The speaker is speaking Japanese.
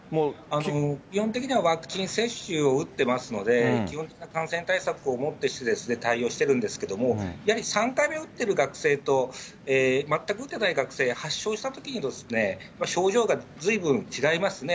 基本的にはワクチン接種を打ってますので、基本的な感染対策をもってして対応しているんですけれども、やはり３回目打ってる学生と、全く打ってない学生、発症したときに、症状がずいぶん違いますね。